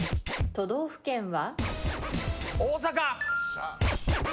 都道府県は？